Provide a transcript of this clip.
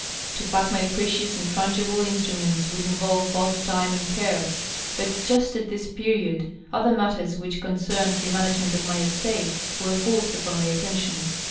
To pack my precious and frangible instruments would involve both time and care. But just at this period other matters, which concerned the management of my estate, were forced upon my attention.